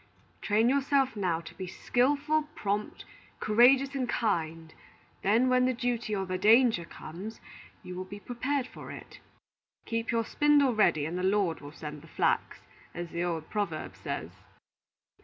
Train yourself now to be skilful, prompt, courageous, and kind; then when the duty or the danger comes, you will be prepared for it. 'Keep your spindle ready, and the Lord will send the flax,' as the old proverb says."